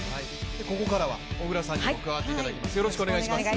ここからは小椋さんにも加わっていただきます。